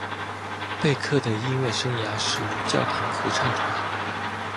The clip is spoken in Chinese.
贝克的音乐生涯始于教堂合唱团。